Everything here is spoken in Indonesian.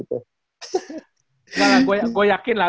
gak lah gue yakin lah